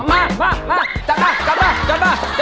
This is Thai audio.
มาจัดป้า